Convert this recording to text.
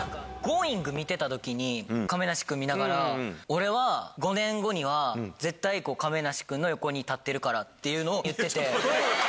見てたときに、亀梨君見ながら、俺は５年後には絶対、亀梨君の横に立ってるからっていうのを言ってて。